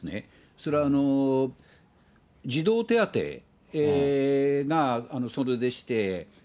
それは、児童手当がそれでして。